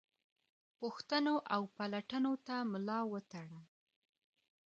پوښتنو او پلټنو ته ملا وتړله.